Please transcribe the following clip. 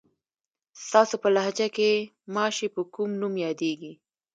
ستاسو په لهجه کې ماشې په کوم نوم یادېږي؟